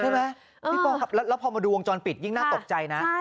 พี่ปอล์ครับแล้วพอมาดูวงจรปิดยิ่งน่าตกใจนะ